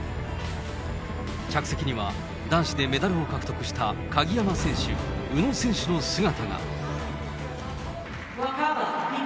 客席には男子でメダルを獲得した鍵山選手、宇野選手の姿が。